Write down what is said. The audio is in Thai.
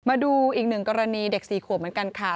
มาดูอีกหนึ่งกรณีเด็ก๔ขวบเหมือนกันค่ะ